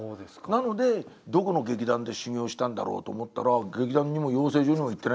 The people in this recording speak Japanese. なのでどこの劇団で修業したんだろうと思ったら劇団にも養成所にも行ってないんでしょ？